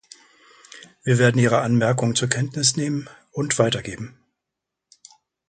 Wir werden Ihre Anmerkungen zur Kenntnis nehmen und weitergeben.